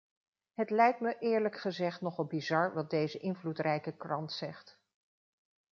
Het lijkt me eerlijk gezegd nogal bizar wat deze invloedrijke krant zegt.